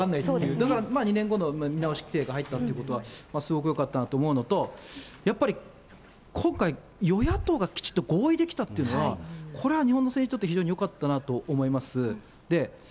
だから２年後の見直し規定が入ったということは、すごくよかったなと思うのと、やっぱり今回、与野党がきちっと合意できたというのは、これは日本の政治にとって非常によかったなと思います。